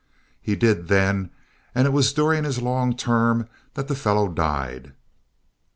He did then, and it was during his long term that the fellow died.